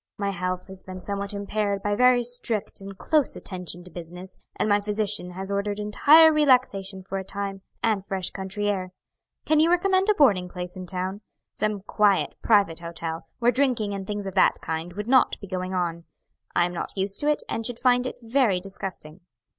My health has been somewhat impaired by very strict and close attention to business; and my physician has ordered entire relaxation for a time, and fresh country air. Can you recommend a boarding place in town? Some quiet, private hotel where drinking and things of that kind would not be going on. I'm not used to it, and should find it very disgusting."